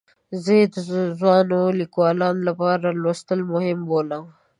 زه یې د ځوانو لیکوالو لپاره لوستل مهم بولم.